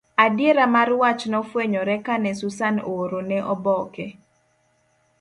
Adiera mar wach nofwenyore kane Susan oorone oboke.